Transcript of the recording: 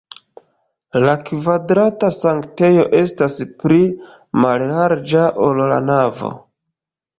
La kvadrata sanktejo estas pli mallarĝa, ol la navo.